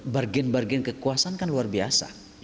bargain bargain kekuasaan kan luar biasa